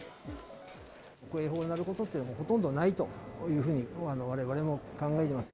警報が鳴るということはほとんどないというふうに、われわれも考えてます。